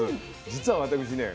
実は私ね